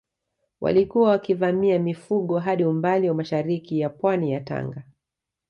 Walikuwa wakivamia mifugo hadi umbali wa mashariki ya pwani ya Tanga